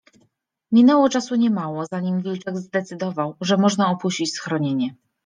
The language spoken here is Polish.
Minęło czasu niemało, zanim wilczek zdecydował, że można opuścić schronienie.